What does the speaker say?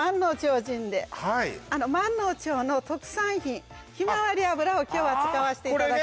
私まんのう町の特産品ひまわり油を今日は使わせていただきます